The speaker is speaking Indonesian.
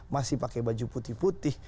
masih pakai baju putih putih